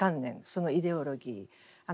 そのイデオロギー。